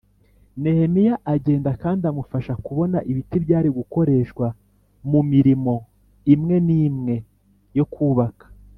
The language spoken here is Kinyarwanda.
Nehemiya agenda kandi amufasha kubona ibiti byari gukoreshwa mu mirimo imwe n imwe yo kubaka